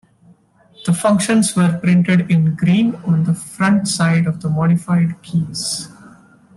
The functions were printed in green on the front side of the modified keys.